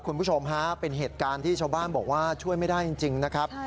คุณผู้ชมฮะเป็นเหตุการณ์ที่ชาวบ้านบอกว่าช่วยไม่ได้จริงนะครับ